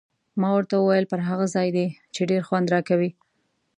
ما ورته وویل: پر هغه ځای دې، چې ډېر خوند راکوي.